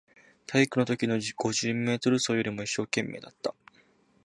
体育のときの五十メートル走よりも一生懸命だった